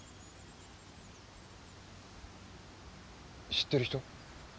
知ってる人？